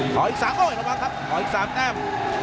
ขออีก๓โอ้ยระวังครับขออีก๓แต้ม